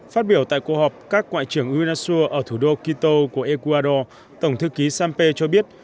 phát biểu tại cuộc họp các ngoại trưởng urasua ở thủ đô quito của ecuador tổng thư ký sampe cho biết